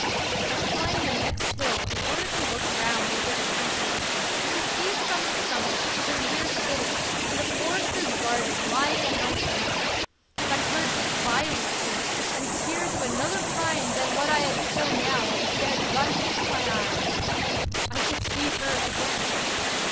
I climbed the next hill in order to look round over the country, and per ceived from its summit the near city and the forester's garden lying at my feet. My heart beat violently and tears of another kind than what I had till now shed rushed into my eyes. I should see her again